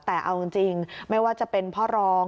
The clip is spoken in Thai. แต่เอาจริงไม่ว่าจะเป็นพ่อรอง